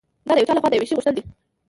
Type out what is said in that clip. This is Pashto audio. دا د یو چا لهخوا د یوه شي غوښتل دي